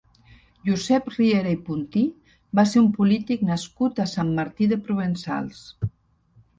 Josep Riera i Puntí va ser un polític nascut a Sant Martí de Provençals.